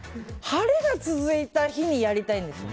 晴れが続いた日にやりたいんですよ。